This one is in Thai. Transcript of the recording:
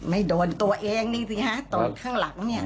ไม่โดนตัวเองนี่สิฮะตอนข้างหลังเนี่ย